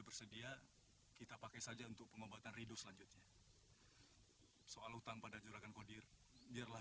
bersedia kita pakai saja untuk pengobatan ridu selanjutnya soal utang pada jurakan kodir biarlah